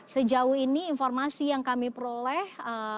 sejauh ini informasi yang kami peroleh